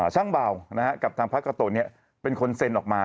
ช่างเบากับทางพระกาโตะเป็นคนเซ็นออกมา